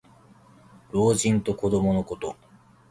老人と子どものこと。